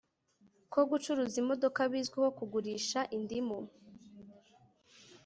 Ko gucuruza imodoka bizwiho kugurisha indimu